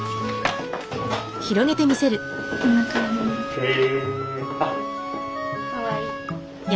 へえ。